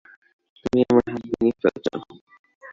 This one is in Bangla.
তুমি আমার হাত ভেঙে ফেলছো।